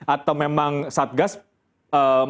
atau memang satgas masih bisa kemudian melakukan